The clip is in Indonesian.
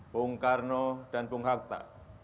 bung karno dan bung hatta